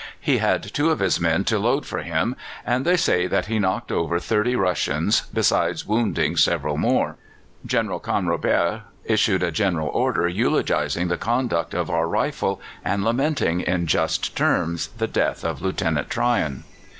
He had two of his men to load for him, and they say that he knocked over thirty Russians, besides wounding several more. General Canrobert issued a general order eulogizing the conduct of our Rifles, and lamenting in just terms the death of Lieutenant Tryon.